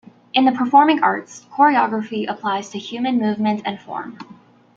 In the performing arts, choreography applies to human movement and form.